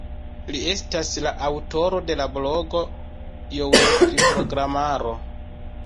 Li estas la aŭtoro de la blogo "Joel pri Programaro".